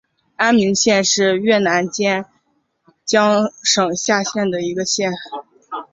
安明县是越南坚江省下辖的一个县。